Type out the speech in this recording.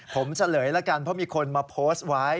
ผมเฉลยแล้วกันเพราะมีคนมาโพสต์ไว้